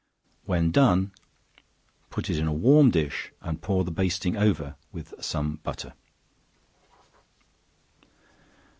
When done, put it in a warm dish, and pour the basting over, with some more butter.